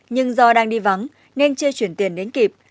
nhưng do đang đi vắng nên chưa chuyển tiền đến kịp